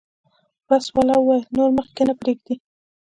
بس والا وویل نور مخکې نه پرېږدي.